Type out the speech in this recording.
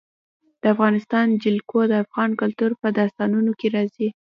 د افغانستان جلکو د افغان کلتور په داستانونو کې راځي.